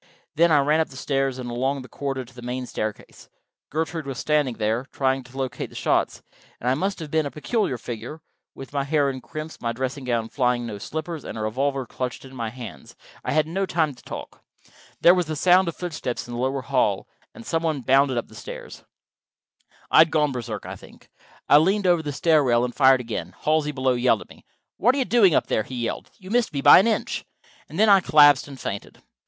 Then I ran up the stairs and along the corridor to the main staircase. Gertrude was standing there, trying to locate the shots, and I must have been a peculiar figure, with my hair in crimps, my dressing gown flying, no slippers, and a revolver clutched in my hands I had no time to talk. There was the sound of footsteps in the lower hall, and some one bounded up the stairs. I had gone Berserk, I think. I leaned over the stair rail and fired again. Halsey, below, yelled at me. "What are you doing up there?" he yelled. "You missed me by an inch." And then I collapsed and fainted.